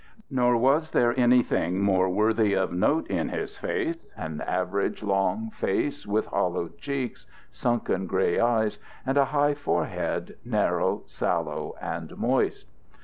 Nor was there anything more worthy of note in his face, an average long face with hollowed cheeks, sunken gray eyes, and a high forehead, narrow, sallow, and moist.